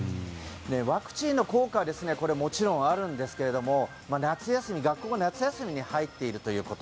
ワクチンの効果はこれ、もちろんあるんですが学校が夏休みに入っているということ。